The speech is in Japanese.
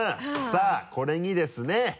さぁこれにですね。